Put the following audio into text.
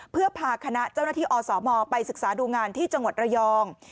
เพื่อพาคณะเจ้าหน้าที่อสมไปศึกษาดูงานที่จังหวัดระยอง